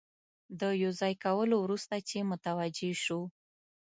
د یو ځای کولو وروسته چې متوجه شو.